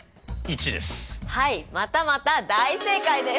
はいまたまた大正解です！